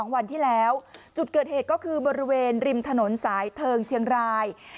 วันที่แล้วจุดเกิดเหตุก็คือบริเวณริมถนนสายเทิงเชียงราย